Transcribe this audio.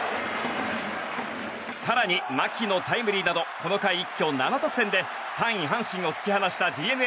更に牧のタイムリーなどこの回、一挙７得点で３位、阪神を突き放したＤｅＮＡ。